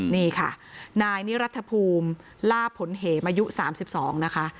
นี่ค่ะนายนิรัฐภูมิลาบผลเหมอายุ๓๒นะคะ